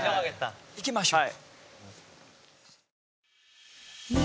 行きましょう！